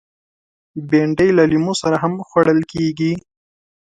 بېنډۍ له لیمو سره هم خوړل کېږي